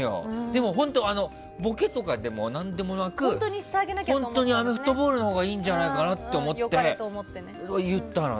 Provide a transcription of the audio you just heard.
でも、本当ボケとかでも何でもなく本当にアメフトボールのほうがいいんじゃないかと思って言ったの。